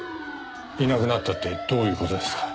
いなくなったってどういう事ですか？